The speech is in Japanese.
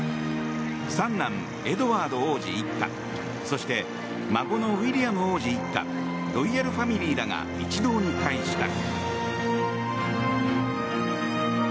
三男エドワード王子一家そして孫のウィリアム王子一家ロイヤルファミリーらが一堂に会した。